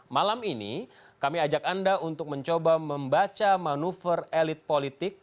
malam ini kami ajak anda untuk mencoba membaca manuver elit politik